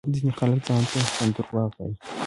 ځينې خلک ځانته هم دروغ وايي